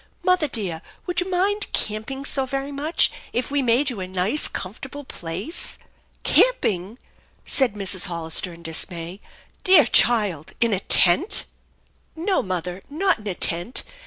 Mother dear, would you mind camping so very much if we made you a nice, comfortable place?" " Camping !" said Mrs. Hollister in dismay. " Doar child 1 In a tent?" " No, mother, not in a tent.